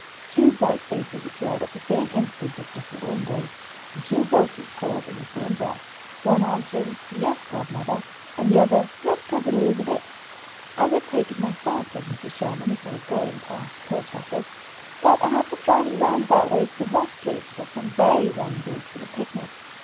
Two bright faces appeared at the same instant at different windows, and two voices called in the same breath, one answering, "Yes, godmother," and the other, "Yes, Cousin Elizabeth." "I would take it myself," said Mrs. Sherman, "if I were going past the post office, but I have to drive a roundabout way to the Ross place, to get some berries I engaged for the picnic.